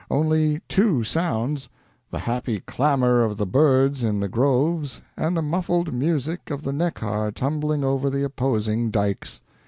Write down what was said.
Only two sounds: the happy clamor of the birds in the groves and the muffled music of the Neckar tumbling over the opposing dikes.